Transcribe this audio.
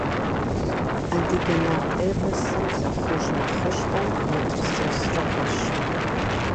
Адыгэ нарт эпосым лъыхъужь нэхъыщхьэу хэтыр Сосрыкъуэщ.